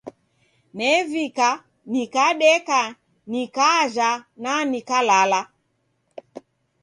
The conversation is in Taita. Nevika, nikadeka, nikajha na nikalala.